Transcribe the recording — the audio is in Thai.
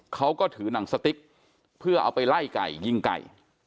เขาก็ถือหนังสติ๊กเพื่อเอาไปไล่ไก่ยิงไก่